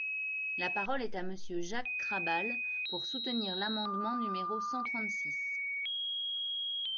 La parole est à Monsieur Jacques Krabal, pour soutenir l’amendement numéro cent trente-six.